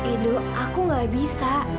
eh do aku gak bisa